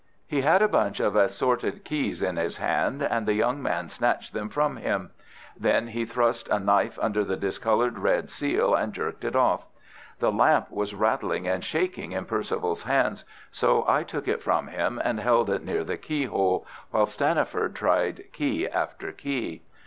He had a bunch of assorted keys in his hand, and the young man snatched them from him. Then he thrust a knife under the discoloured red seal and jerked it off. The lamp was rattling and shaking in Perceval's hands, so I took it from him and held it near the key hole, while Stanniford tried key after key.